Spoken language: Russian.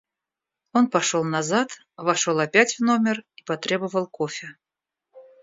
Он пошел назад, вошел опять в номер и потребовал кофе.